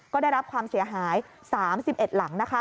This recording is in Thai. ก็ได้รับความเสียหาย๓๑หลัง